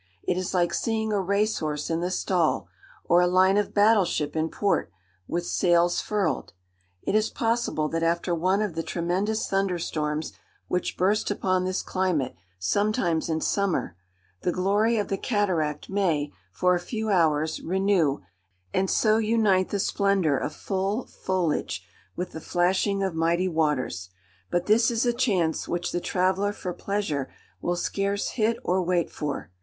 It is like seeing a race horse in the stall, or a line of battle ship in port, with sails furled. It is possible that after one of the tremendous thunder storms which burst upon this climate sometimes in summer, the glory of the cataract may, for a few hours, renew, and so unite the splendour of full foliage with the flashing of mighty waters: but this is a chance which the traveller for pleasure will scarce hit or wait for.